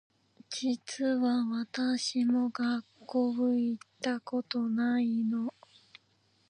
実は私も学校行ったことないの